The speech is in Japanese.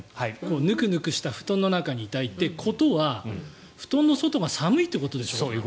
ぬくぬくした布団の中にいたいということは布団の外が寒いってことでしょ。